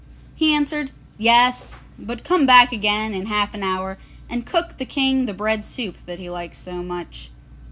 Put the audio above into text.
He answered, 'Yes, but come back again in half an hour and cook the King the bread soup that he likes so much.